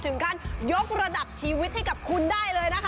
ขั้นยกระดับชีวิตให้กับคุณได้เลยนะคะ